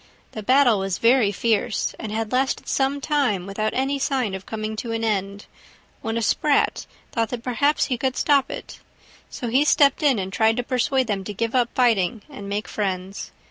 The battle was very fierce, and had lasted some time without any sign of coming to an end, when a Sprat thought that perhaps he could stop it; so he stepped in and tried to persuade them to give up fighting and make friends.